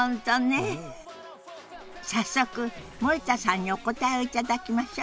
早速森田さんにお答えを頂きましょ。